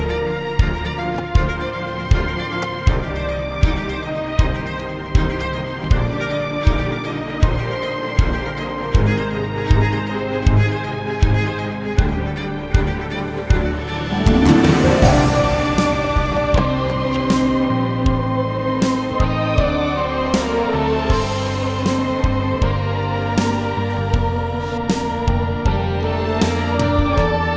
aku datang ke mas